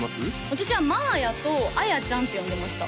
私は「まあや」と「綾ちゃん」って呼んでました